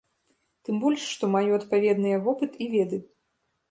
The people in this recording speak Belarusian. Тым больш, што маю адпаведныя вопыт і веды.